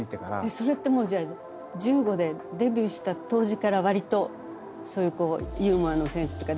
それってもうじゃあ１５年デビューした当時からわりとそういうユーモアのセンスっていうか。